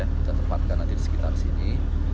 kita tempatkan nanti di sekitar sini